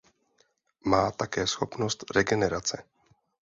Má také schopnost regenerace.